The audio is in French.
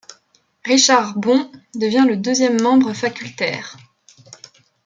Richard Bond devient le deuxième membre facultaire.